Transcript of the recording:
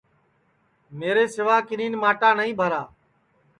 میرے سیوا کِنین ماٹا نائی بھرا